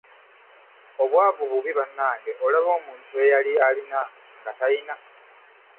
Obwavu bubi bannange olaba omuntu eyali alina nga tayina.